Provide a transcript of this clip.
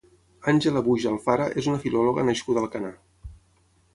Àngela Buj Alfara és una filòloga nascuda a Alcanar.